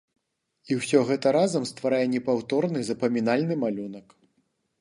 І ўсё гэта разам стварае непаўторны, запамінальны малюнак.